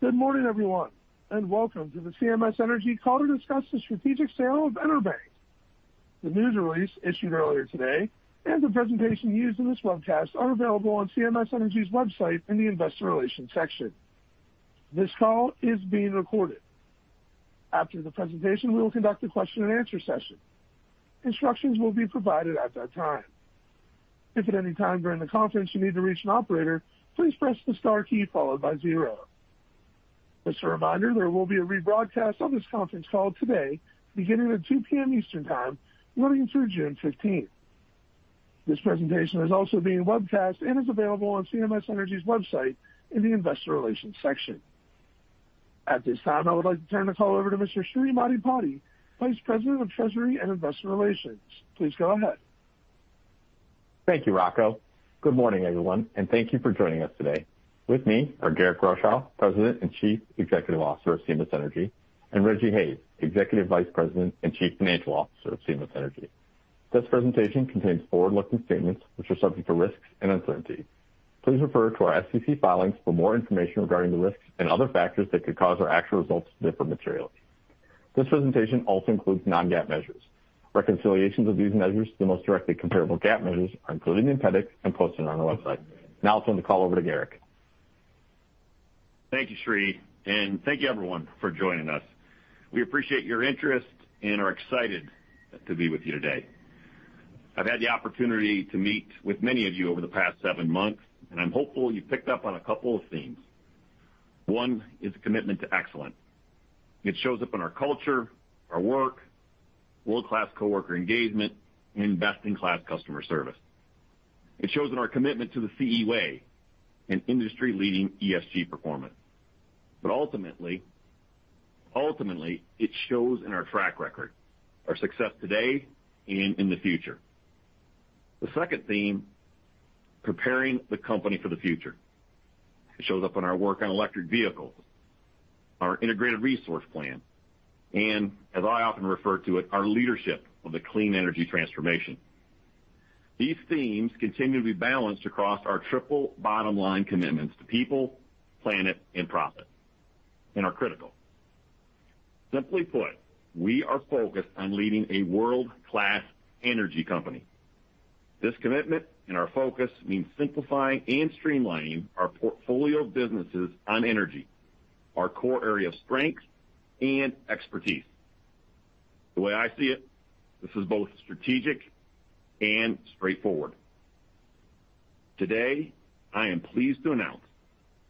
Good morning, everyone. Welcome to the CMS Energy call to discuss the strategic sale of EnerBank. The news release issued earlier today and the presentation used in this webcast are available on CMS Energy's website in the investor relations section. This call is being recorded. After the presentation, we will conduct a question-and-answer session. Instructions will be provided at that time. If at any time during the conference you need to reach an operator, please press the star key followed by zero. Just a reminder, there will be a rebroadcast of this conference call today beginning at 2:00 P.M. Eastern Time, running through June 15th. This presentation is also being webcast and is available on CMS Energy's website in the investor relations section. At this time, I would like to turn the call over to Mr. Sri Maddipati, Vice President of Treasury and Investor Relations. Please go ahead. Thank you, Rocco. Good morning, everyone, and thank you for joining us today. With me are Garrick Rochow, President and Chief Executive Officer of CMS Energy, and Rejji Hayes, Executive Vice President and Chief Financial Officer of CMS Energy. This presentation contains forward-looking statements, which are subject to risks and uncertainties. Please refer to our SEC filings for more information regarding the risks and other factors that could cause our actual results to differ materially. This presentation also includes non-GAAP measures. Reconciliations of these measures to the most directly comparable GAAP measures are included in the appendix and posted on our website. Now it's on the call over to Garrick. Thank you, Sri, and thank you, everyone, for joining us. We appreciate your interest and are excited to be with you today. I've had the opportunity to meet with many of you over the past seven months, and I'm hopeful you picked up on a couple of themes. One is commitment to excellence. It shows up in our culture, our work, world-class coworker engagement, and best-in-class customer service. It shows in our commitment to the CE Way and industry-leading ESG performance. Ultimately, it shows in our track record, our success today and in the future. The second theme, preparing the company for the future. It shows up in our work on electric vehicles, our integrated resource plan, and as I often refer to it, our leadership on the clean energy transformation. These themes continue to be balanced across our triple bottom line commitments to people, planet, and profit, and are critical. Simply put, we are focused on leading a world-class energy company. This commitment and our focus means simplifying and streamlining our portfolio of businesses on energy, our core area of strength and expertise. The way I see it, this is both strategic and straightforward. Today, I am pleased to announce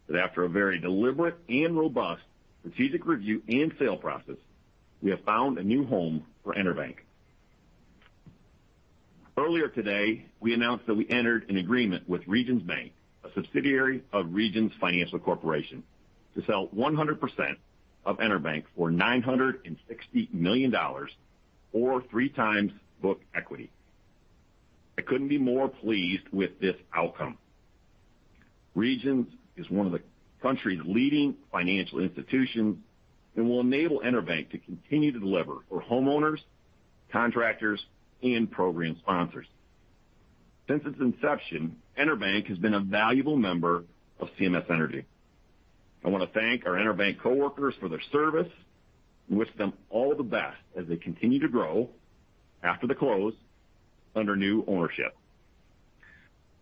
that after a very deliberate and robust strategic review and sale process, we have found a new home for EnerBank. Earlier today, we announced that we entered an agreement with Regions Bank, a subsidiary of Regions Financial Corporation, to sell 100% of EnerBank for $960 million, or 3x book equity. I couldn't be more pleased with this outcome. Regions is one of the country's leading financial institutions and will enable EnerBank to continue to deliver for homeowners, contractors, and program sponsors. Since its inception, EnerBank has been a valuable member of CMS Energy. I want to thank our EnerBank coworkers for their service and wish them all the best as they continue to grow after the close under new ownership.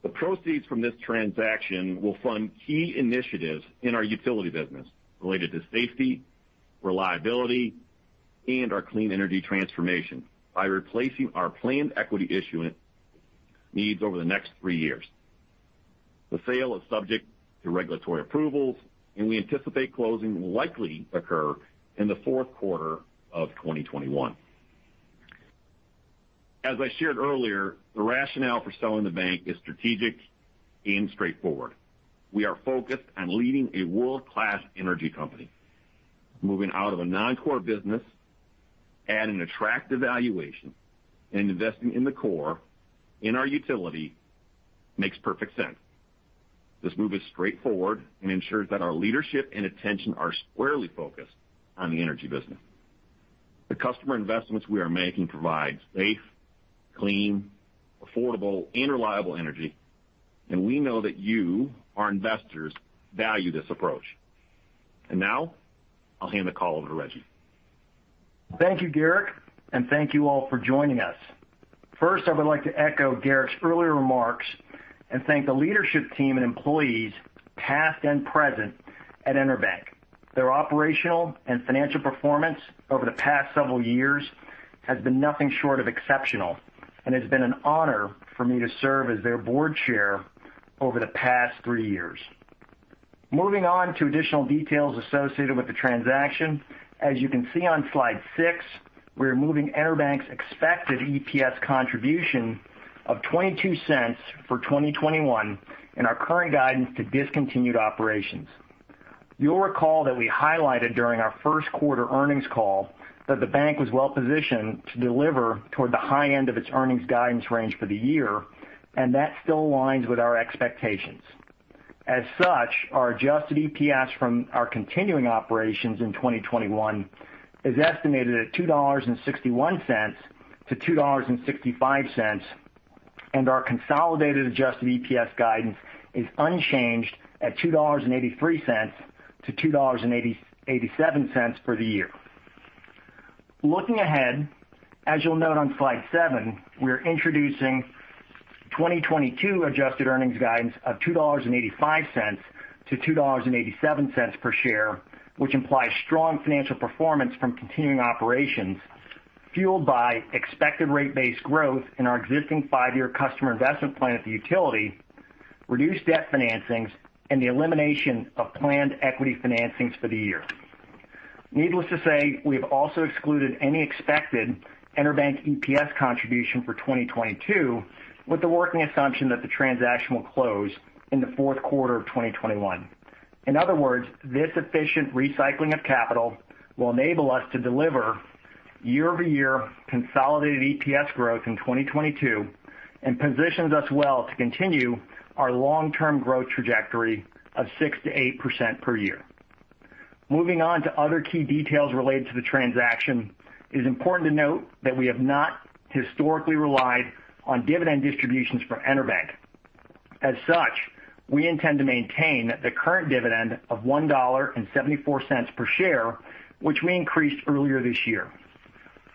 The proceeds from this transaction will fund key initiatives in our utility business related to safety, reliability, and our clean energy transformation by replacing our planned equity issuance needs over the next three years. The sale is subject to regulatory approvals, and we anticipate closing will likely occur in the fourth quarter of 2021. As I shared earlier, the rationale for selling the bank is strategic and straightforward. We are focused on leading a world-class energy company. Moving out of a non-core business at an attractive valuation and investing in the core in our utility makes perfect sense. This move is straightforward and ensures that our leadership and attention are squarely focused on the energy business. The customer investments we are making provide safe, clean, affordable, and reliable energy, and we know that you, our investors, value this approach. Now I'll hand the call over to Rejji. Thank you, Garrick, and thank you all for joining us. First, I would like to echo Garrick's earlier remarks and thank the leadership team and employees, past and present, at EnerBank. Their operational and financial performance over the past several years has been nothing short of exceptional and has been an honor for me to serve as their board chair over the past three years. Moving on to additional details associated with the transaction. As you can see on slide six, we are moving EnerBank's expected EPS contribution of $0.22 for 2021 in our current guidance to discontinued operations. You'll recall that we highlighted during our first quarter earnings call that the bank was well-positioned to deliver toward the high end of its earnings guidance range for the year, and that still aligns with our expectations. As such, our adjusted EPS from our continuing operations in 2021 is estimated at $2.61-$2.65 Our consolidated adjusted EPS guidance is unchanged at $2.83-$2.87 for the year. Looking ahead, as you'll note on slide seven, we are introducing 2022 adjusted earnings guidance of $2.85-$2.87 per share, which implies strong financial performance from continuing operations fueled by expected rate-based growth in our existing five-year customer investment plan at the utility, reduced debt financings, and the elimination of planned equity financings for the year. Needless to say, we have also excluded any expected EnerBank EPS contribution for 2022 with the working assumption that the transaction will close in the fourth quarter of 2021. In other words, this efficient recycling of capital will enable us to deliver year-over-year consolidated EPS growth in 2022 and positions us well to continue our long-term growth trajectory of 6%-8% per year. Moving on to other key details related to the transaction, it is important to note that we have not historically relied on dividend distributions for EnerBank. As such, we intend to maintain the current dividend of $1.74 per share, which we increased earlier this year.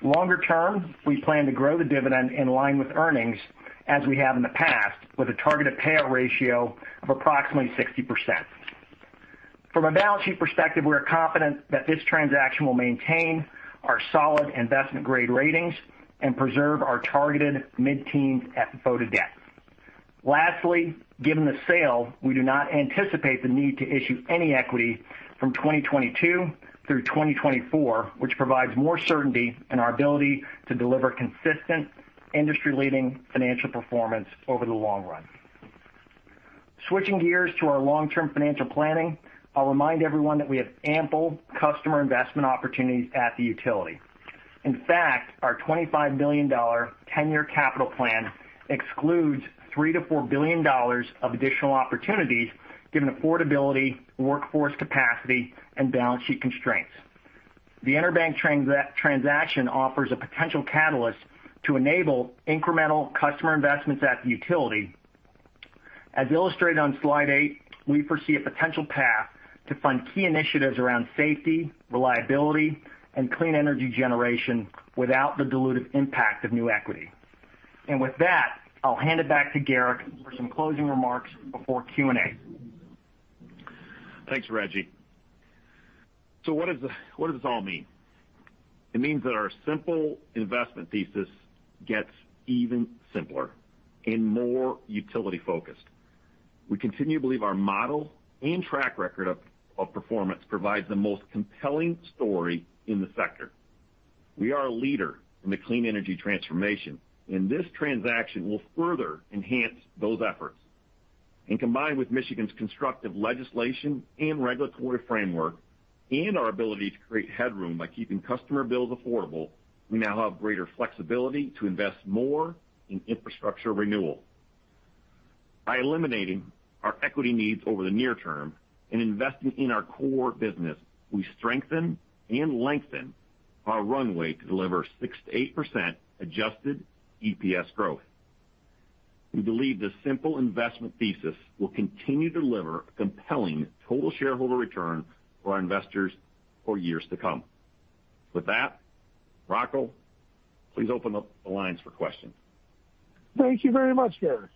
Longer term, we plan to grow the dividend in line with earnings as we have in the past, with a targeted payout ratio of approximately 60%. From a balance sheet perspective, we are confident that this transaction will maintain our solid investment-grade ratings and preserve our targeted mid-teens FFO-to-debt. Lastly, given the sale, we do not anticipate the need to issue any equity from 2022 through 2024, which provides more certainty in our ability to deliver consistent, industry-leading financial performance over the long run. Switching gears to our long-term financial planning, I'll remind everyone that we have ample customer investment opportunities at the utility. In fact, our $25 billion 10-year capital plan excludes $3 billion-$4 billion of additional opportunities given affordability, workforce capacity, and balance sheet constraints. The EnerBank transaction offers a potential catalyst to enable incremental customer investments at the utility. As illustrated on slide eight, I foresee a potential path to fund key initiatives around safety, reliability, and clean energy generation without the dilutive impact of new equity. With that, I'll hand it back to Garrick for some closing remarks before Q&A. Thanks, Rejji. What does this all mean? It means that our simple investment thesis gets even simpler and more utility-focused. We continue to believe our model and track record of performance provides the most compelling story in the sector. We are a leader in the clean energy transformation, and this transaction will further enhance those efforts. Combined with Michigan's constructive legislation and regulatory framework and our ability to create headroom by keeping customer bills affordable, we now have greater flexibility to invest more in infrastructure renewal. By eliminating our equity needs over the near term and investing in our core business, we strengthen and lengthen our runway to deliver 6%-8% adjusted EPS growth. We believe this simple investment thesis will continue to deliver a compelling total shareholder return for our investors for years to come. With that, Rocco, please open up the lines for questions. Thank you very much, Garrick.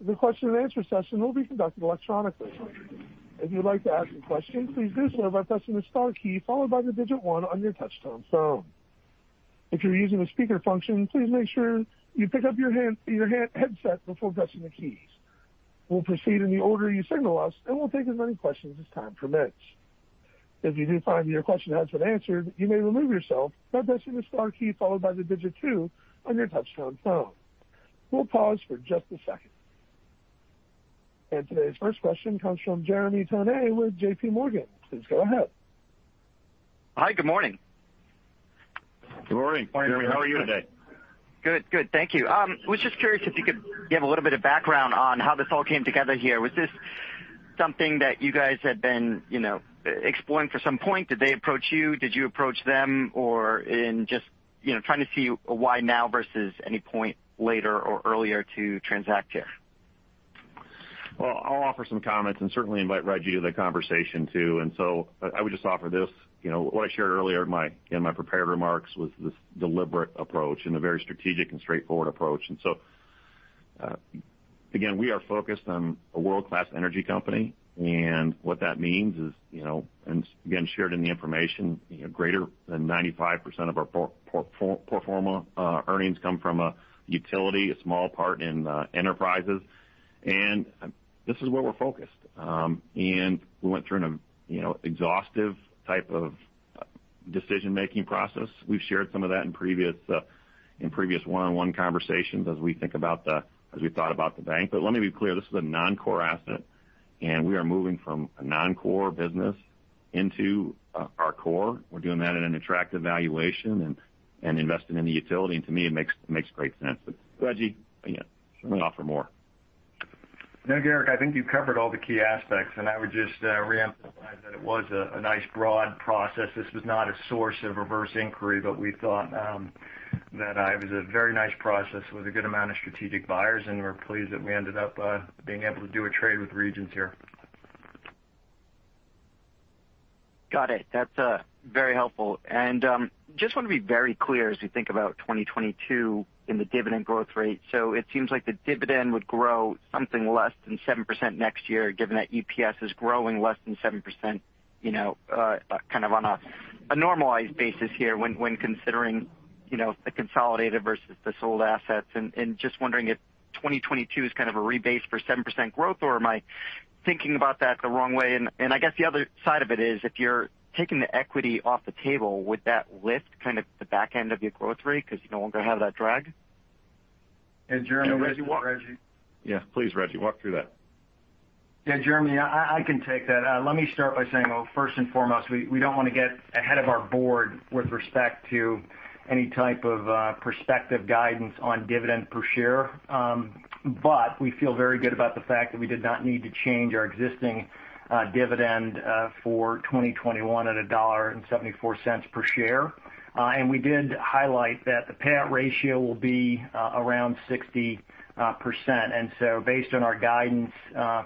The question-and-answer session will be conducted electronically. If you would like to ask a question please do so by pressing the star key followed by the digit one on your touch-tone phone. If you are using the speaker function please make sure you pick up your handset before touching the keys. We will proceed in the order you signal us and will take as many questions if time permits. If you find your questions have been answered you may remove yourself by pressing the star key followed by the digit two on your touch-tone phone. Will pause for just a second. Today's first question comes from Jeremy Tonet with JPMorgan. Please go ahead. Hi, good morning. Good morning, Jeremy. How are you today? Good. Thank you. I was just curious if you could give a little bit of background on how this all came together here. Was this something that you guys had been exploring for some point? Did they approach you? Did you approach them? Just trying to see why now versus any point later or earlier to transact here? Well, I'll offer some comments and certainly invite Rejji to the conversation, too. I would just offer this. What I shared earlier in my prepared remarks was this deliberate approach and a very strategic and straightforward approach. Again, we are focused on a world-class energy company, and what that means is, again, shared in the information, greater than 95% of our pro forma earnings come from a utility, a small part in enterprises, and this is where we're focused. We went through an exhaustive type of decision-making process. We've shared some of that in previous one-on-one conversations as we thought about the bank. Let me be clear, this is a non-core asset, and we are moving from a non-core business into our core. We're doing that at an attractive valuation and investing in the utility. To me, it makes great sense. Rejji, again, feel free to offer more. No, Garrick, I think you've covered all the key aspects, and I would just reemphasize that it was a nice broad process. This was not a source of reverse inquiry, but we thought that it was a very nice process with a good amount of strategic buyers, and we're pleased that we ended up being able to do a trade with Regions here. Got it. That's very helpful. Just want to be very clear as we think about 2022 and the dividend growth rate. It seems like the dividend would grow something less than 7% next year, given that EPS is growing less than 7%, kind of on a normalized basis here when considering the consolidated versus the sold assets. Just wondering if 2022 is kind of a rebase for 7% growth, or am I thinking about that the wrong way? I guess the other side of it is if you're taking the equity off the table, would that lift kind of the back end of your growth rate because you no longer have that drag? Yeah, Jeremy. Yeah. Please, Rejji, walk through that. Yeah, Jeremy, I can take that. Let me start by saying, first and foremost, we don't want to get ahead of our board with respect to any type of prospective guidance on dividend per share. We feel very good about the fact that we did not need to change our existing dividend for 2021 at $1.74 per share. We did highlight that the payout ratio will be around 60%. Based on our guidance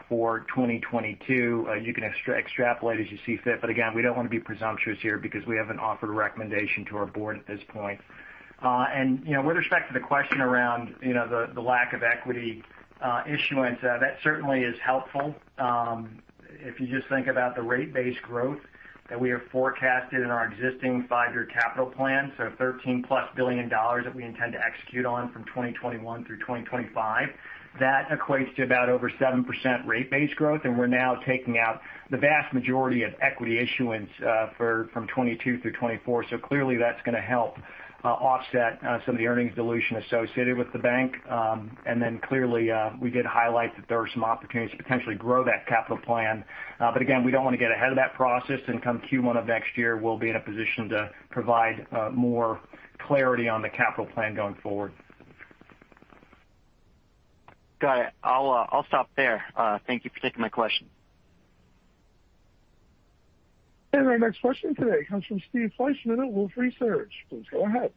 for 2022, you can extrapolate as you see fit. Again, we don't want to be presumptuous here because we haven't offered a recommendation to our board at this point. With respect to the question around the lack of equity issuance, that certainly is helpful. If you just think about the rate-based growth that we have forecasted in our existing five-year capital plan, so $13+ billion that we intend to execute on from 2021 through 2025. That equates to about over 7% rate-based growth. We're now taking out the vast majority of equity issuance from 2022 through 2024. Clearly that's going to help offset some of the earnings dilution associated with the bank. Clearly we did highlight that there are some opportunities to potentially grow that capital plan. Again, we don't want to get ahead of that process. Come Q1 of next year, we'll be in a position to provide more clarity on the capital plan going forward. Got it. I'll stop there. Thank you for taking my question. Our next question today comes from Steve Fleishman at Wolfe Research. Please go ahead.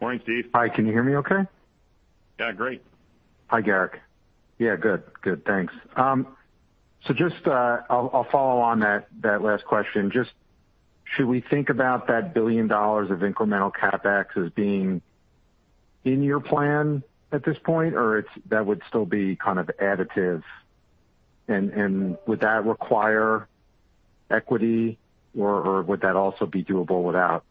Morning, Steve. Hi. Can you hear me okay? Yeah. Great. Hi, Garrick. Yeah. Good. Thanks. I'll follow on that last question. Should we think about that $1 billion of incremental CapEx as being in your plan at this point, or that would still be kind of additive? Would that require equity, or would that also be doable without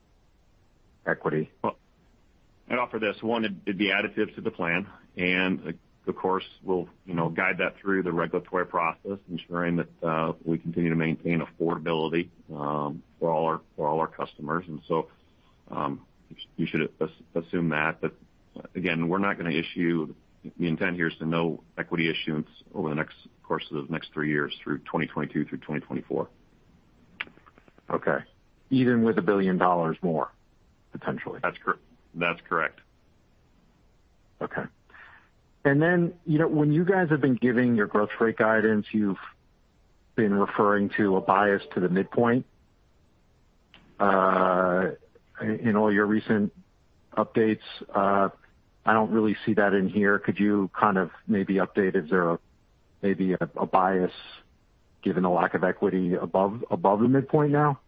equity? I offer this. One, it'd be additive to the plan. Of course, we'll guide that through the regulatory process, ensuring that we continue to maintain affordability for all our customers. You should assume that. Again, we're not going to. We intend here's to no equity issuance over the course of the next three years through 2022 through 2024. Okay. Even with $1 billion more potentially? That's correct. Okay. When you guys have been giving your growth rate guidance, you've been referring to a bias to the midpoint in all your recent updates. I don't really see that in here. Could you kind of maybe update? Is there maybe a bias given the lack of equity above the midpoint now?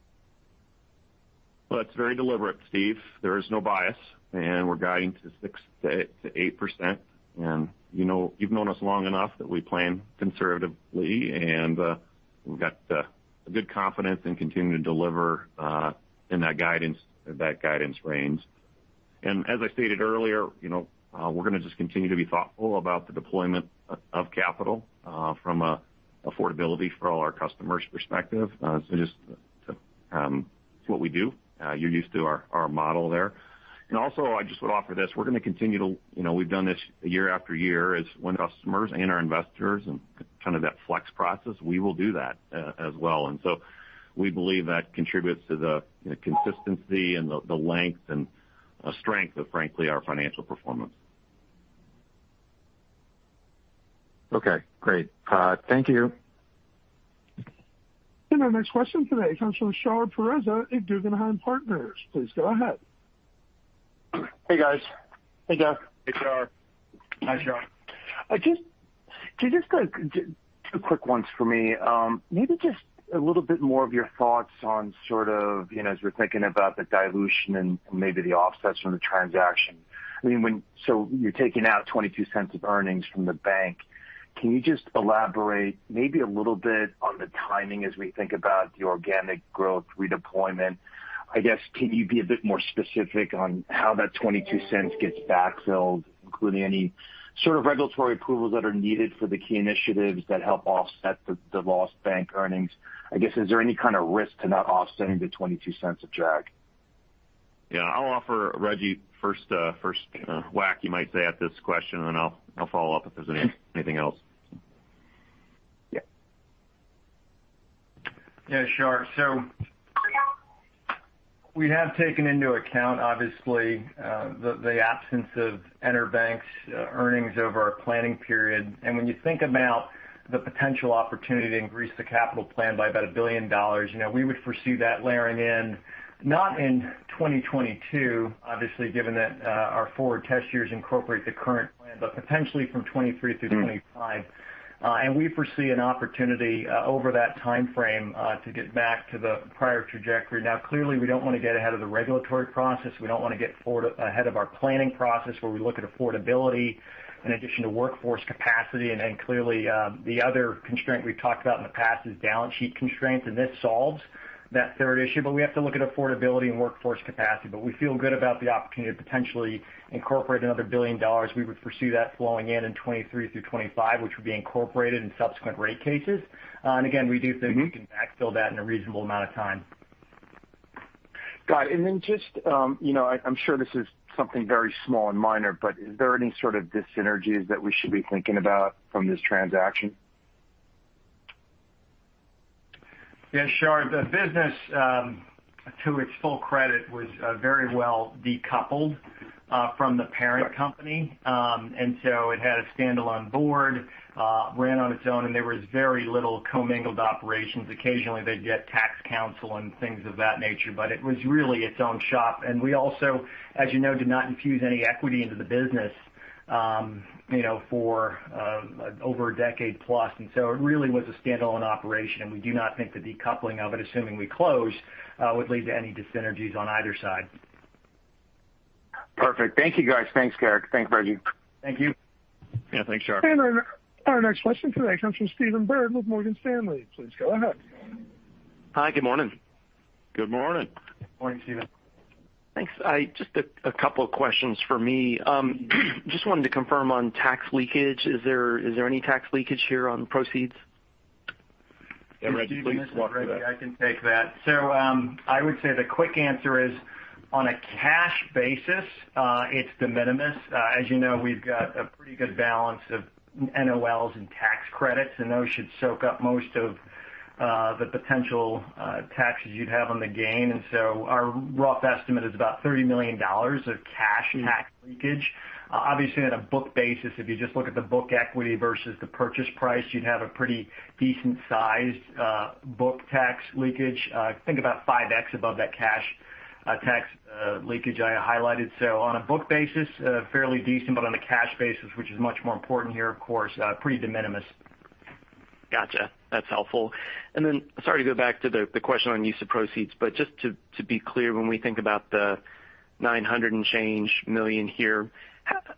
Well, it's very deliberate, Steve. There is no bias, we're guiding to 6%-8%. You've known us long enough that we plan conservatively, and we've got good confidence and continue to deliver in that guidance range. As I stated earlier, we're going to just continue to be thoughtful about the deployment of capital from an affordability for all our customers perspective. Just it's what we do. You're used to our model there. Also, I just would offer this. We've done this year after year is when customers and our investors and kind of that flex process, we will do that as well. We believe that contributes to the consistency and the length and strength of, frankly, our financial performance. Okay, great. Thank you. Our next question today comes from Shar Pourreza at Guggenheim Partners. Please go ahead. Hey, guys. Hey, Garrick. Hey, Shar. Just two quick ones for me. Maybe just a little bit more of your thoughts on sort of as we're thinking about the dilution and maybe the offsets from the transaction. You're taking out $0.22 of earnings from the bank. Can you just elaborate maybe a little bit on the timing as we think about the organic growth redeployment? I guess, can you be a bit more specific on how that $0.22 gets backfilled, including any sort of regulatory approvals that are needed for the key initiatives that help offset the lost bank earnings? I guess, is there any kind of risk to not offsetting the $0.22 of drag? Yeah. I'll offer Rejji first whack, you might say, at this question, then I'll follow up if there's anything else. Yeah, Shar. We have taken into account, obviously, the absence of EnerBank's earnings over our planning period. When you think about the potential opportunity to increase the capital plan by about $1 billion, we would foresee that layering in not in 2022, obviously, given that our forward test years incorporate the current plan, but potentially from 2023 through 2025. We foresee an opportunity over that timeframe to get back to the prior trajectory. Now, clearly, we don't want to get ahead of the regulatory process. We don't want to get ahead of our planning process where we look at affordability in addition to workforce capacity. Clearly, the other constraint we've talked about in the past is balance sheet constraints, and this solves that third issue. We have to look at affordability and workforce capacity. We feel good about the opportunity to potentially incorporate another $1 billion. We would foresee that flowing in in 2023 through 2025, which would be incorporated in subsequent rate cases. Again, we do think we can backfill that in a reasonable amount of time. Got it. Then just, I'm sure this is something very small and minor, but is there any sort of dis-synergies that we should be thinking about from this transaction? Yeah, Shar. The business, to its full credit, was very well decoupled from the parent company. It had a standalone board, ran on its own, and there was very little commingled operations. Occasionally they'd get tax counsel and things of that nature, but it was really its own shop. We also, as you know, did not infuse any equity into the business for over a decade plus. It really was a standalone operation, and we do not think the decoupling of it, assuming we close, would lead to any dis-synergies on either side. Perfect. Thank you, guys. Thanks, Garrick. Thanks, Rejji. Thank you. Yeah, thanks, Shar. Our next question today comes from Stephen Byrd with Morgan Stanley. Please go ahead. Hi. Good morning. Good morning. Morning, Stephen. Thanks. Just a couple of questions for me. Just wanted to confirm on tax leakage. Is there any tax leakage here on the proceeds? Yeah. Rejji, please, go on ahead. I can take that. I would say the quick answer is on a cash basis it's de minimis. As you know, we've got a pretty good balance of NOLs and tax credits, and those should soak up most of the potential taxes you'd have on the gain. Our rough estimate is about $30 million of cash in tax leakage. Obviously, on a book basis, if you just look at the book equity versus the purchase price, you'd have a pretty decent-sized book tax leakage. I think about 5x above that cash tax leakage I highlighted. On a book basis, fairly decent. On a cash basis, which is much more important here, of course, pretty de minimis. Got you. That's helpful. Sorry to go back to the question on use of proceeds, but just to be clear, when we think about the $900 and change million here,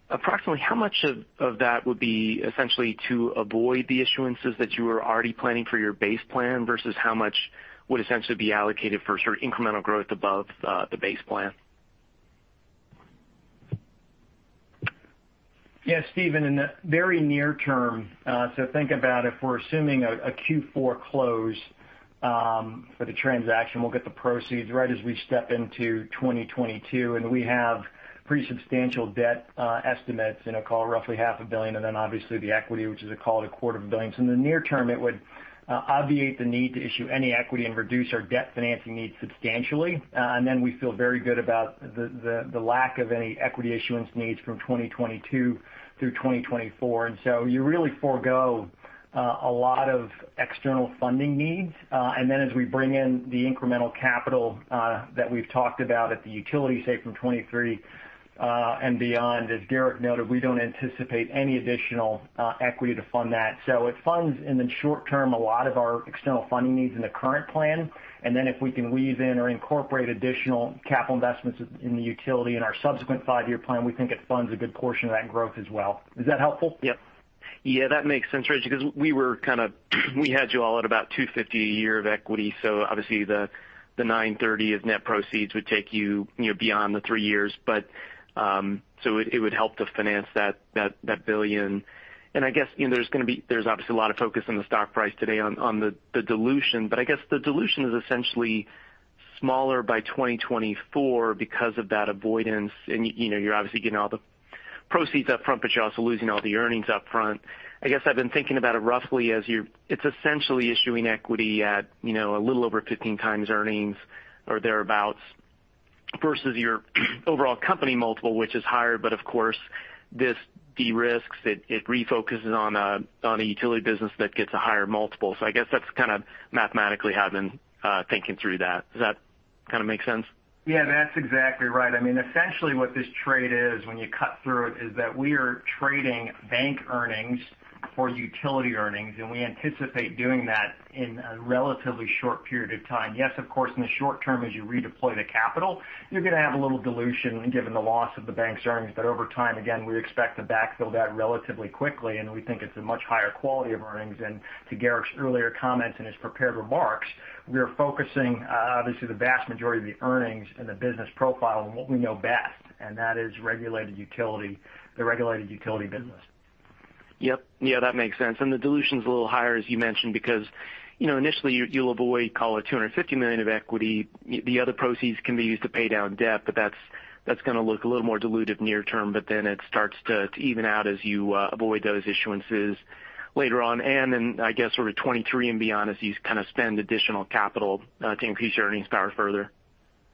approximately how much of that would be essentially to avoid the issuances that you were already planning for your base plan versus how much would essentially be allocated for sort of incremental growth above the base plan? Yeah, Stephen, in the very near term, think about if we're assuming a Q4 close for the transaction, we'll get the proceeds right as we step into 2022. We have pretty substantial debt estimates in a call, roughly half a billion. Obviously the equity, which is a call a quarter of a billion. In the near term, it would obviate the need to issue any equity and reduce our debt financing needs substantially. We feel very good about the lack of any equity issuance needs from 2022 through 2024. You really forgo a lot of external funding needs. As we bring in the incremental capital that we've talked about at the utility safe in 2023 and beyond, as Garrick noted, we don't anticipate any additional equity to fund that. It funds in the short term, a lot of our external funding needs in the current plan. If we can weave in or incorporate additional capital investments in the utility in our subsequent five-year plan, we think it funds a good portion of that growth as well. Is that helpful? Yep. Yeah, that makes sense. We had you all at about $250 a year of equity, so obviously the $930 of net proceeds would take you beyond the three years. It would help to finance that $1 billion. I guess there's obviously a lot of focus on the stock price today on the dilution, but I guess the dilution is essentially smaller by 2024 because of that avoidance. You're obviously getting all the proceeds up front, but you're also losing all the earnings up front. I guess I've been thinking about it roughly as it's essentially issuing equity at a little over 15x earnings or thereabouts versus your overall company multiple, which is higher, but of course, this de-risks it. It refocuses on a utility business that gets a higher multiple. I guess that's kind of mathematically how I've been thinking through that. Does that kind of make sense? Yeah, that's exactly right. Essentially what this trade is when you cut through it, is that we are trading bank earnings for utility earnings, and we anticipate doing that in a relatively short period of time. Yes, of course, in the short term, as you redeploy the capital, you're going to have a little dilution given the loss of the bank's earnings. Over time, again, we expect to backfill that relatively quickly, and we think it's a much higher quality of earnings. To Garrick's earlier comment in his prepared remarks, we are focusing obviously the vast majority of the earnings in the business profile on what we know best, and that is the regulated utility business. Yep. Yeah, that makes sense. The dilution's a little higher, as you mentioned, because initially you'll avoid call it $250 million of equity. The other proceeds can be used to pay down debt, but that's going to look a little more dilutive near term, but then it starts to even out as you avoid those issuances later on. I guess sort of 2023 and beyond, as you kind of spend additional capital to increase earnings power further.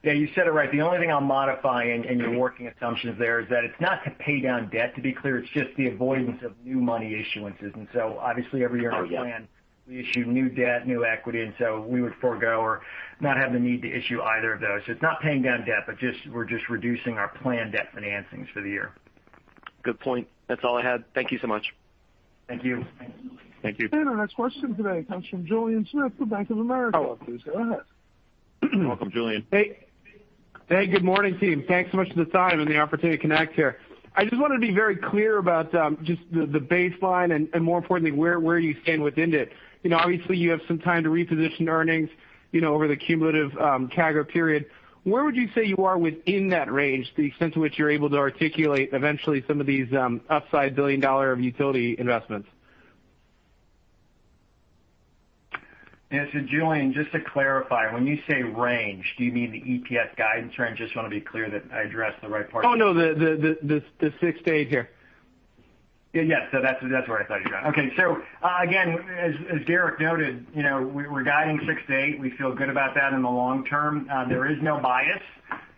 Yeah, you said it right. The only thing I'll modify in your working assumption there is that it's not to pay down debt, to be clear, it's just the avoidance of new money issuances. Oh, yeah. Our plan, we issue new debt, new equity, we would forego or not have a need to issue either of those. It's not paying down debt, we're just reducing our planned debt financings for the year. Good point. That's all I had. Thank you so much. Thank you. Thank you. Our next question today comes from Julien Smith of Bank of America. Please go ahead. Welcome, Julien. Hey, good morning, team. Thanks so much for the time and the opportunity to connect here. I just want to be very clear about just the baseline and more importantly, where are you staying within it. Obviously, you have some time to reposition earnings over the cumulative CAGR period. Where would you say you are within that range to the extent to which you're able to articulate eventually some of these upside billion-dollar utility investments? Yeah. Julien, just to clarify, when you say range, do you mean the EPS guidance range? Just want to be clear that I address the right part. Oh, no. The 6%-8% here. Yeah. That's where I thought you were going. Okay. Again, as Garrick noted, we're guiding 6%-8%. We feel good about that in the long term. There is no bias.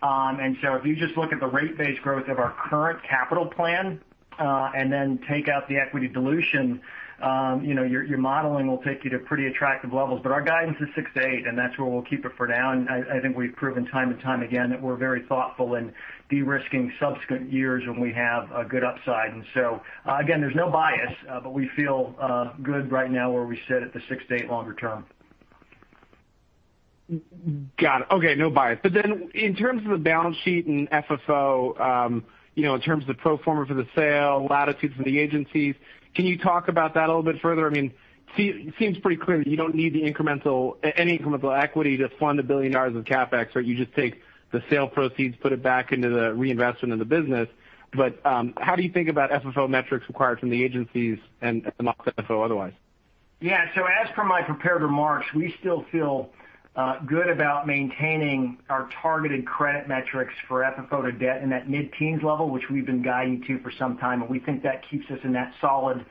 If you just look at the rate base growth of our current capital plan and then take out the equity dilution, your modeling will take you to pretty attractive levels. Our guidance is 6%-8%, and that's where we'll keep it for now. I think we've proven time and time again that we're very thoughtful in de-risking subsequent years when we have a good upside. Again, there's no bias. We feel good right now where we sit at the six to eight longer term. Got it. Okay, no bias. In terms of the balance sheet and FFO, in terms of pro forma for the sale, latitudes of the agencies, can you talk about that a little bit further? It seems pretty clear that you don't need any incremental equity to fund the $1 billion of CapEx, right? You just take the sale proceeds, put it back into the reinvestment of the business. How do you think about FFO metrics required from the agencies and FFO otherwise? Yeah. As for my prepared remarks, we still feel good about maintaining our targeted credit metrics for FFO-to-debt in that mid-teens level, which we've been guiding to for some time. We think that keeps us in that solid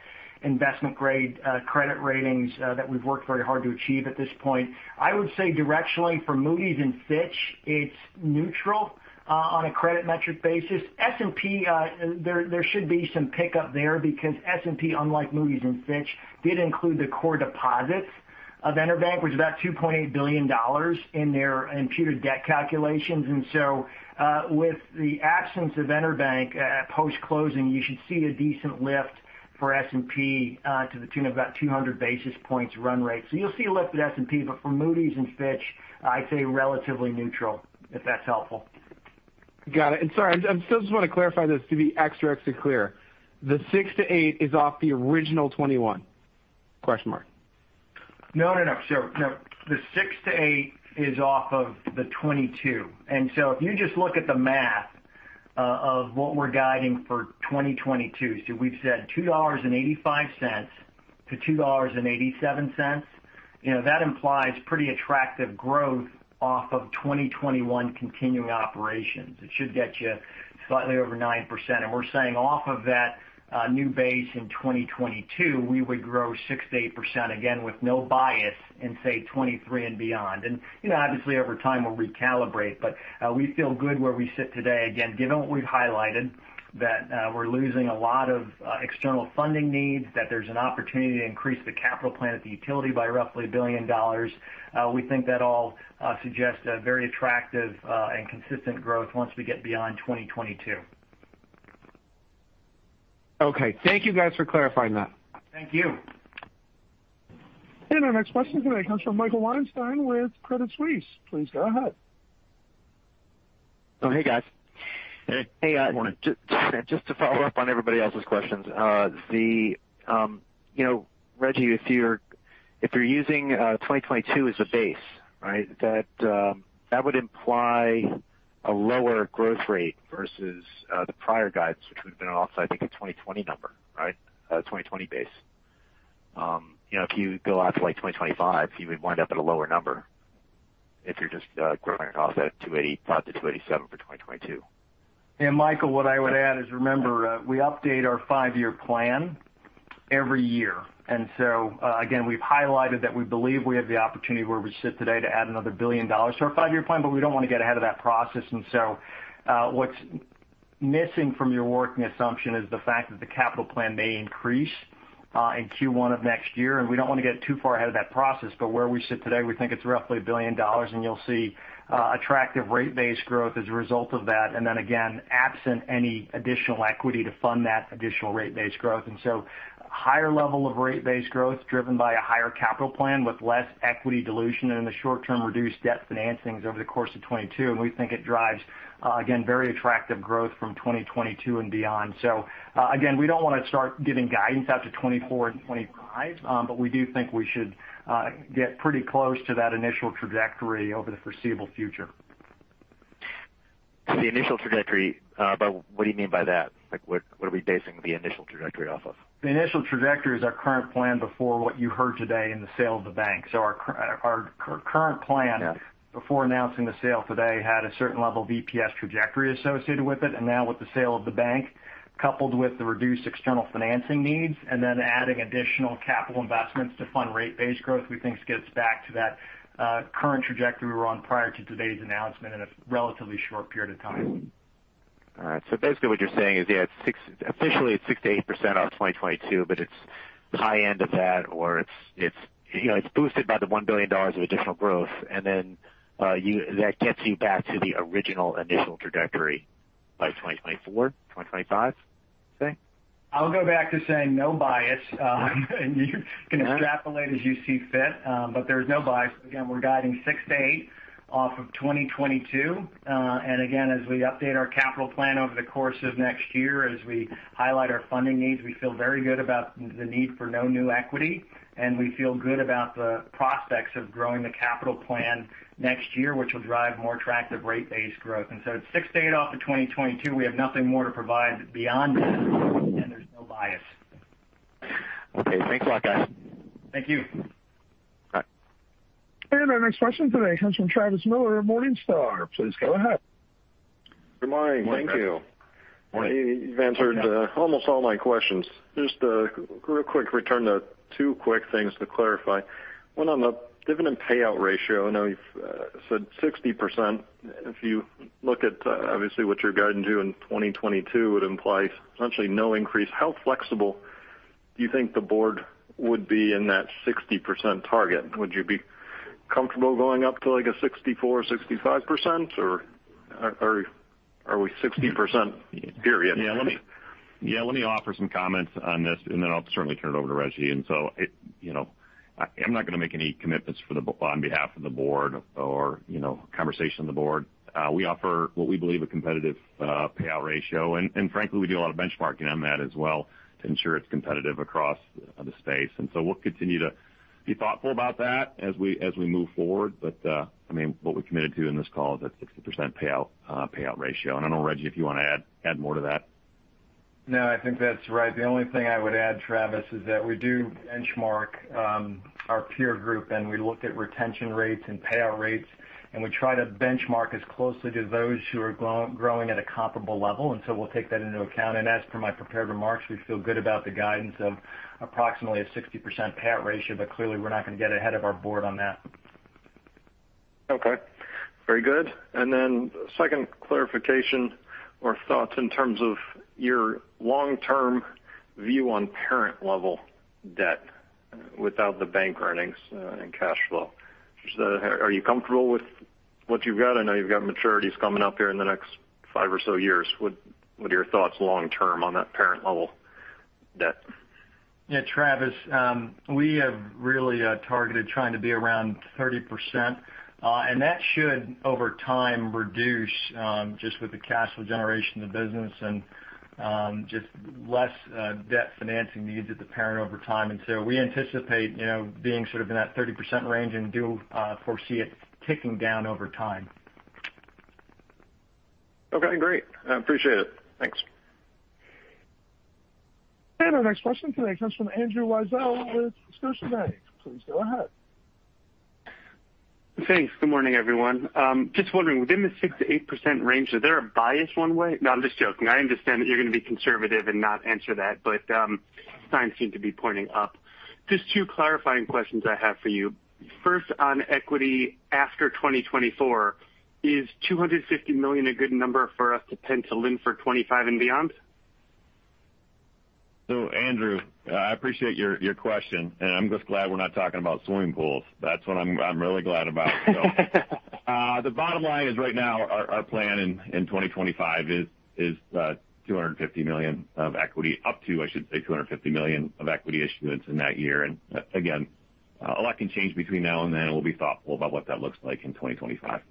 investment-grade credit ratings that we've worked very hard to achieve at this point. I would say directionally for Moody's and Fitch, it's neutral on a credit metric basis. S&P there should be some pickup there because S&P, unlike Moody's and Fitch, did include the core deposits of EnerBank, which is about $2.8 billion in their imputed debt calculations. With the absence of EnerBank post-closing, you should see a decent lift for S&P to the tune of about 200 basis points run rate. You'll see a lift in S&P, but for Moody's and Fitch, I'd say relatively neutral, if that's helpful. Got it. Sorry, I just want to clarify this to be extra clear. The six to eight is off the original 21? No. The 6%-8% is off of the 2022. If you just look at the math of what we're guiding for 2022, we've said $2.85-$2.87. That implies pretty attractive growth off of 2021 continuing operations. It should get you slightly over 9%. We're saying off of that new base in 2022, we would grow 6%-8%, again with no bias in say 2023 and beyond. Obviously over time, we'll recalibrate, we feel good where we sit today. Again, given what we've highlighted, that we're losing a lot of external funding needs, that there's an opportunity to increase the capital plan at the utility by roughly $1 billion. We think that all suggests a very attractive and consistent growth once we get beyond 2022. Okay. Thank you guys for clarifying that. Thank you. Our next question today comes from Michael Weinstein with Credit Suisse. Please go ahead. Oh, hey, guys. Hey. Just to follow up on everybody else's questions. Rejji, if you're using 2022 as a base, that would imply a lower growth rate versus the prior guides, which we've been off, I think a 2020 number. A 2020 base. If you go out to like 2025, you would wind up at a lower number if you're just growing off that $2.85-$2.87 for 2022. Michael, what I would add is remember, we update our five-year plan every year. Again, we've highlighted that we believe we have the opportunity where we sit today to add another $1 billion to our five-year plan, but we don't want to get ahead of that process. What's missing from your working assumption is the fact that the capital plan may increase in Q1 of next year. We don't want to get too far ahead of that process. Where we sit today, we think it's roughly $1 billion, and you'll see attractive rate base growth as a result of that. Again, absent any additional equity to fund that additional rate base growth. Higher level of rate base growth driven by a higher capital plan with less equity dilution and a short-term reduced debt financings over the course of 2022. We think it drives, again, very attractive growth from 2022 and beyond. Again, we don't want to start giving guidance out to 2024 and 2025. We do think we should get pretty close to that initial trajectory over the foreseeable future. The initial trajectory. What do you mean by that? What are we basing the initial trajectory off of? The initial trajectory is our current plan before what you heard today in the sale of the bank. The current plan before announcing the sale today had a certain level of EPS trajectory associated with it. Now with the sale of the bank, coupled with the reduced external financing needs and then adding additional capital investments to fund rate base growth, we think gets back to that current trajectory we were on prior to today's announcement in a relatively short period of time. Basically what you're saying is, officially it's 6%-8% off 2022, it's the high end of that, it's boosted by the $1 billion of additional growth, then that gets you back to the original initial trajectory by 2024, 2025, you say? I'll go back to saying no bias. You can extrapolate as you see fit, but there is no bias. Again, we're guiding 6%-8% off of 2022. Again, as we update our capital plan over the course of next year, as we highlight our funding needs, we feel very good about the need for no new equity, and we feel good about the prospects of growing the capital plan next year, which will drive more attractive rate base growth. It's 6%-8% off of 2022. We have nothing more to provide beyond that, and there's no bias. Okay. Thanks a lot, guys. Thank you. Our next question today comes from Travis Miller of Morningstar. Please go ahead. Good morning. Thank you. You've answered almost all my questions. Just a real quick return to two quick things to clarify. One on the dividend payout ratio. I know you've said 60%. If you look at obviously what you're guiding to in 2022, it implies essentially no increase. How flexible do you think the board would be in that 60% target? Would you be comfortable going up to like a 64% or 65% or are we 60% period? Yeah. Let me offer some comments on this, and then I'll certainly turn it over to Rejji. I'm not going to make any commitments on behalf of the board or conversation on the board. We offer what we believe a competitive payout ratio, and frankly, we do a lot of benchmarking on that as well to ensure it's competitive across the space. We'll continue to be thoughtful about that as we move forward. What we committed to in this call is a 60% payout ratio. I don't know, Rejji, if you want to add more to that. No, I think that's right. The only thing I would add, Travis, is that we do benchmark our peer group, and we look at retention rates and payout rates, and we try to benchmark as closely to those who are growing at a comparable level. We'll take that into account. As per my prepared remarks, we feel good about the guidance of approximately a 60% payout ratio. Clearly, we're not going to get ahead of our board on that. Okay. Very good. Second clarification or thoughts in terms of your long-term view on parent-level debt without the bank earnings and cash flow. Just are you comfortable with what you've got? I know you've got maturities coming up there in the next five or so years. What are your thoughts long term on that parent-level debt? Yeah, Travis, we have really targeted trying to be around 30%, and that should over time reduce just with the cash flow generation of the business and just less debt financing needs at the parent over time. We anticipate being sort of in that 30% range and do foresee it ticking down over time. Okay, great. I appreciate it. Thanks. Our next question today comes from Andrew Weisel with Scotiabank. Please go ahead. Thanks. Good morning, everyone. Just wondering, within the 6%-8% range, is there a bias one way? No, I'm just joking. I understand that you're going to be conservative and not answer that, but signs seem to be pointing up. Just two clarifying questions I have for you. First, on equity after 2024, is $250 million a good number for us to pin down for 2025 and beyond? Andrew, I appreciate your question, and I'm just glad we're not talking about swimming pools. That's what I'm really glad about. The bottom line is right now our plan in 2025 is $250 million of equity up to, I should say, $250 million of equity issuance in that year. Again, a lot can change between now and then. We'll be thoughtful about what that looks like in 2025.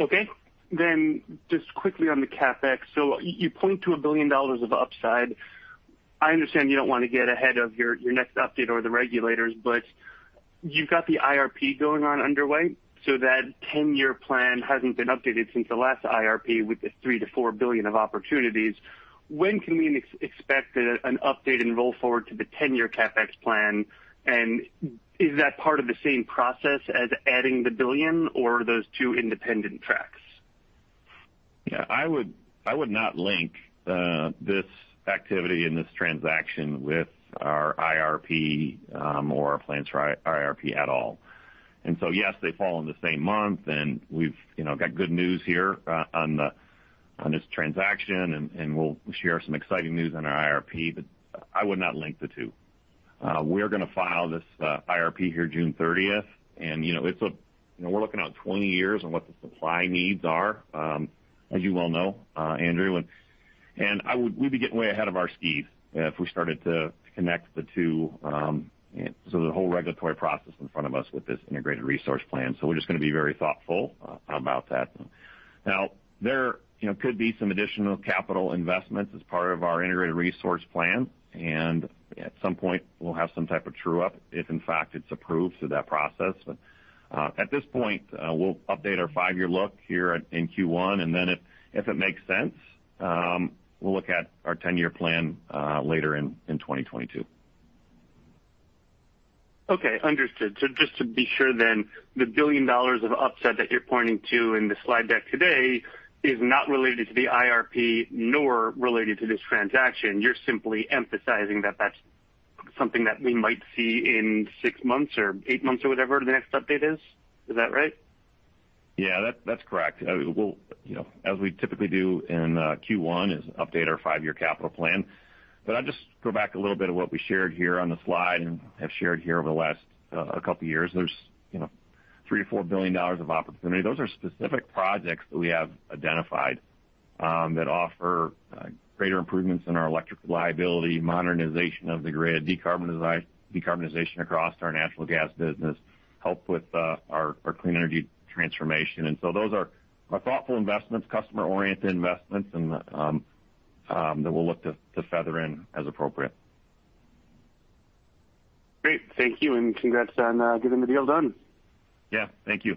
Okay. Just quickly on the CapEx. You point to $1 billion of upside. I understand you don't want to get ahead of your next update or the regulators, you've got the IRP going on underway, that 10-year plan hasn't been updated since the last IRP with the $3 billion-$4 billion of opportunities. When can we expect an update and roll forward to the 10-year CapEx plan? Is that part of the same process as adding the $1 billion or are those two independent tracks? Yeah, I would not link this activity and this transaction with our IRP or our plans for IRP at all. Yes, they fall in the same month, and we've got good news here on this transaction, and we'll share some exciting news on our IRP, but I would not link the two. We're going to file this IRP here June 30th, and we're looking out 20 years on what the supply needs are as you well know, Andrew, and we'd be getting way ahead of our skis if we started to connect the two. The whole regulatory process is in front of us with this integrated resource plan, so we're just going to be very thoughtful about that. Now, there could be some additional capital investments as part of our integrated resource plan, and at some point, we'll have some type of true-up if in fact it's approved through that process. At this point, we'll update our five-year look here in Q1, and then if it makes sense, we'll look at our 10-year plan later in 2022. Okay, understood. Just to be sure, the $1 billion of upside that you're pointing to in the slide deck today is not related to the IRP nor related to this transaction. You're simply emphasizing that that's something that we might see in six months or eight months or whatever the next update is. Is that right? Yeah, that's correct. As we typically do in Q1, is update our five-year capital plan. I'll just go back a little bit of what we shared here on the slide and have shared here over the last couple of years. There's $3 or $4 billion of opportunity. Those are specific projects that we have identified that offer greater improvements in our electric reliability, modernization of the grid, decarbonization across our natural gas business, help with our clean energy transformation. Those are thoughtful investments, customer-oriented investments, and that we'll look to feather in as appropriate. Great. Thank you, and congrats on getting the deal done. Yeah, thank you.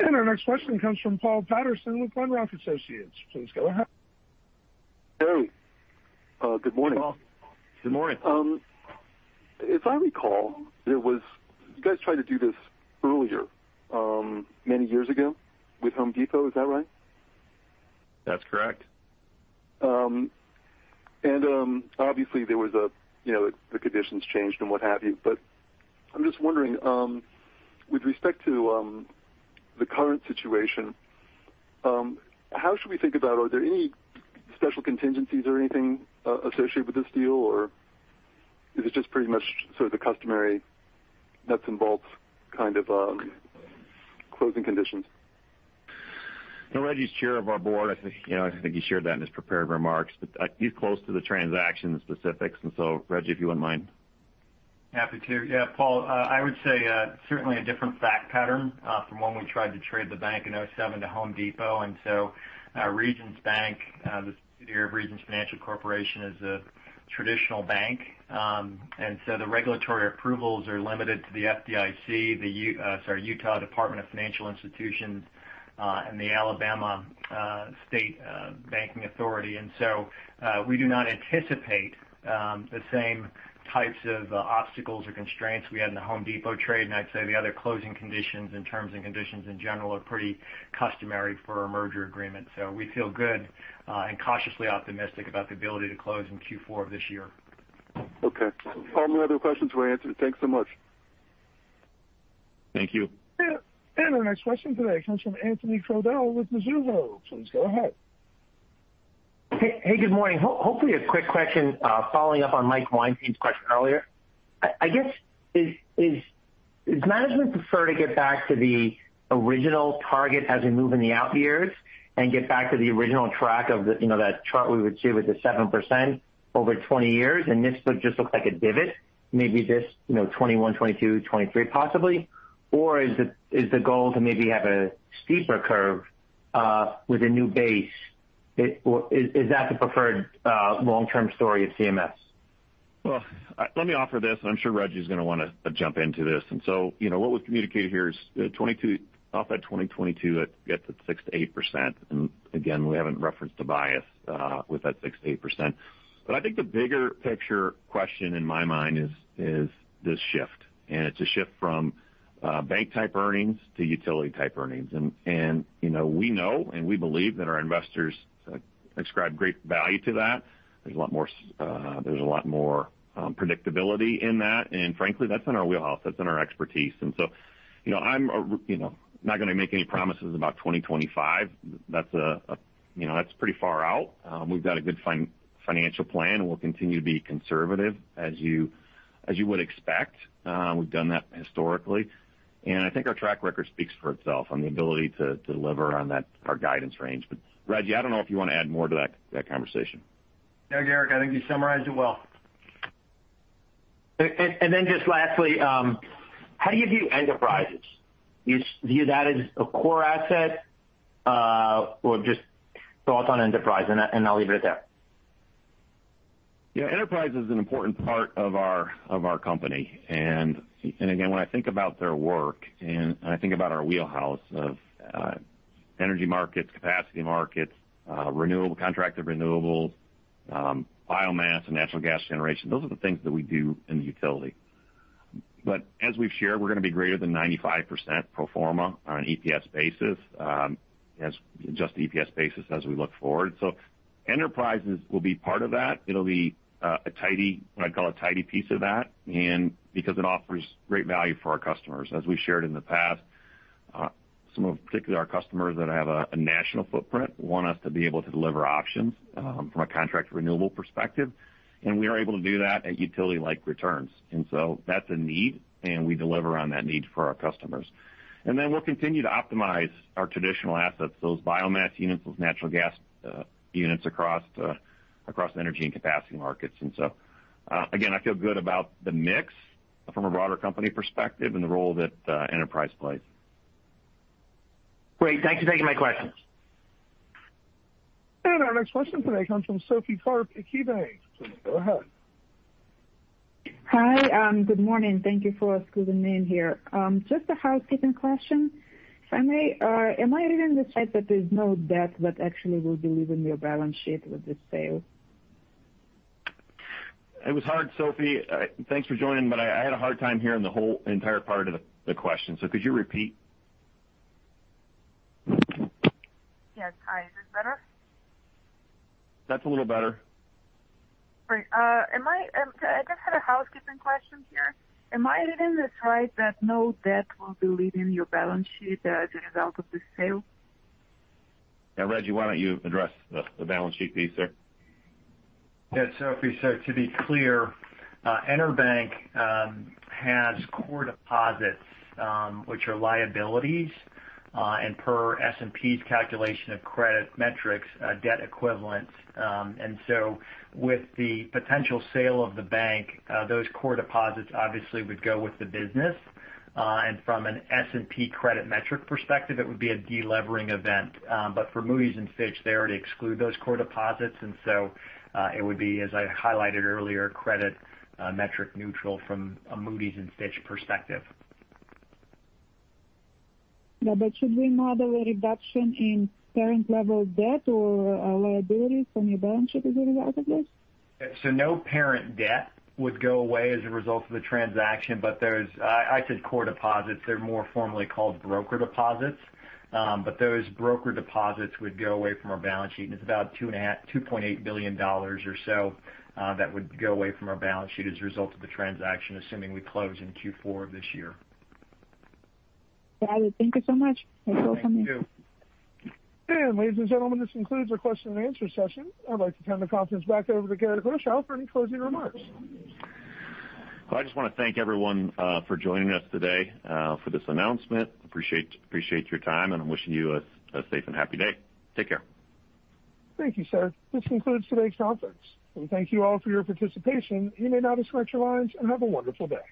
Our next question comes from Paul Patterson with Glenrock Associates. Please go ahead. Hey. Good morning. Good morning. If I recall, you guys tried to do this earlier, many years ago with The Home Depot. Is that right? That's correct. Obviously, the conditions changed and what have you. I'm just wondering, with respect to the current situation, how should we think about, are there any special contingencies or anything associated with this deal? Is it just pretty much sort of the customary nuts and bolts kind of closing conditions? Rejji is Chair of our board. I think he shared that in his prepared remarks. He's close to the transaction specifics. Rejji, if you wouldn't mind. Happy to. Yeah, Paul, I would say certainly a different fact pattern from when we tried to trade EnerBank in 2007 to Home Depot. Regions Bank, the subsidiary of Regions Financial Corporation, is a traditional bank. The regulatory approvals are limited to the FDIC, the Utah Department of Financial Institutions, and the Alabama State Banking Authority. We do not anticipate the same types of obstacles or constraints we had in the Home Depot trade. I'd say the other closing conditions and terms and conditions in general are pretty customary for a merger agreement. We feel good and cautiously optimistic about the ability to close in Q4 of this year. Okay. All my other questions were answered. Thanks so much. Thank you. Our next question today comes from Anthony Crowdell with Mizuho. Please go ahead. Hey, good morning. Hopefully a quick question, following up on Mike Weinstein's question earlier. I guess, does management prefer to get back to the original target as we move in the out years and get back to the original track of that chart we would see with the 7% over 20 years, and this would just look like a divot, maybe just 2021, 2022, 2023 possibly? Is the goal to maybe have a steeper curve with a new base? Is that the preferred long-term story of CMS? Let me offer this. I'm sure Rejji's going to want to jump into this. What we communicate here is off at 2022, it gets at 6%-8%. Again, we haven't referenced the bias with that 6%-8%. I think the bigger picture question in my mind is this shift, and it's a shift from bank-type earnings to utility-type earnings. We know and we believe that our investors ascribe great value to that. There's a lot more predictability in that. Frankly, that's in our wheelhouse. That's in our expertise. I'm not going to make any promises about 2025. That's pretty far out. We've got a good financial plan, and we'll continue to be conservative as you would expect. We've done that historically, and I think our track record speaks for itself on the ability to deliver on our guidance range. Rejji, I don't know if you want to add more to that conversation. No, Garrick, I think you summarized it well. Just lastly, how do you view Enterprises? Do you view that as a core asset? Just thoughts on Enterprises, and I'll leave it there. Yeah, Enterprises is an important part of our company. Again, when I think about their work and I think about our wheelhouse of energy markets, capacity markets, contracted renewables, biomass and natural gas generation, those are the things that we do in the utility. As we've shared, we're going to be greater than 95% pro forma on an EPS basis as we look forward. Enterprises will be part of that. It'll be what I call a tidy piece of that, and because it offers great value for our customers. As we shared in the past, particularly our customers that have a national footprint, want us to be able to deliver options from a contracted renewable perspective, and we are able to do that at utility-like returns. That's a need, and we deliver on that need for our customers. We'll continue to optimize our traditional assets, those biomass units, those natural gas units across energy and capacity markets. Again, I feel good about the mix from a broader company perspective and the role that Enterprises plays. Great. Thank you for taking my questions. Our next question today comes from Sophie Karp at KeyBanc. Please go ahead. Hi. Good morning. Thank you for squeezing me in here. Just a housekeeping question. Am I to understand that there's no debt that actually will be leaving your balance sheet with the sale? It was hard, Sophie. Thanks for joining, I had a hard time hearing the whole entire part of the question. Could you repeat? Yeah. Hi, is this better? That's a little better. Great. I just had a housekeeping question here. Am I hearing this right that no debt will be leaving your balance sheet as a result of the sale? Yeah, Rejji, why don't you address the balance sheet piece there? Sophie, to be clear, EnerBank has core deposits which are liabilities and per S&P's calculation of credit metrics, debt equivalents. With the potential sale of the bank, those core deposits obviously would go with the business. From an S&P credit metric perspective, it would be a de-levering event. For Moody's and Fitch, they already exclude those core deposits, so it would be, as I highlighted earlier, credit metric neutral from a Moody's and Fitch perspective. Yeah. Should we model a reduction in parent level debt or liabilities on your balance sheet as a result of this? No parent debt would go away as a result of the transaction, but those, I said core deposits, they're more formally called brokered deposits. Those brokered deposits would go away from our balance sheet. It's about $2.8 billion or so that would go away from our balance sheet as a result of the transaction, assuming we close in Q4 of this year. Got it. Thank you so much. Thank you. Ladies and gentlemen, this concludes our question and answer session. I'd like to turn the conference back over to Garrick Rochow for any closing remarks. I just want to thank everyone for joining us today for this announcement. Appreciate your time, and I'm wishing you a safe and happy day. Take care. Thank you, sir. This concludes today's conference. We thank you all for your participation. You may now disconnect your lines, and have a wonderful day.